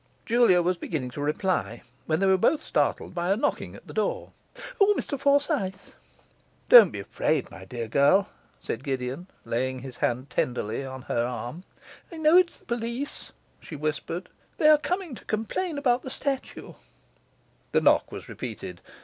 Julia was beginning to reply, when they were both startled by a knocking at the door. 'O, Mr Forsyth!' 'Don't be afraid, my dear girl,' said Gideon, laying his hand tenderly on her arm. 'I know it's the police,' she whispered. 'They are coming to complain about the statue.' The knock was repeated.